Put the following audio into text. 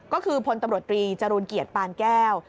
ก็คือพลตำรวจตรีจรูลเกียรติปานแก้ว